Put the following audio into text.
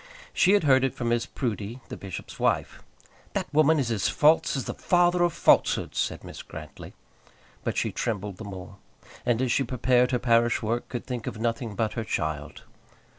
She had heard it from Mrs. Proudie, the bishop's wife. "That woman is as false as the father of falsehoods," said Mrs. Grantly. But she trembled the more; and as she prepared her parish work, could think of nothing but her child.